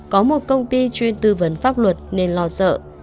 có một công ty chuyên tư vấn pháp luật nên lo sợ